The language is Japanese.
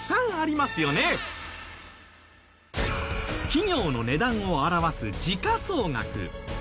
企業の値段を表す時価総額。